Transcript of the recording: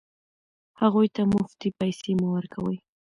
هغوی ته مفتې پیسې مه ورکوئ.